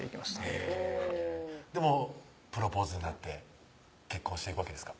へぇでもうプロポーズになって結婚していくわけですか？